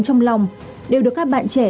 trong lòng đều được các bạn trẻ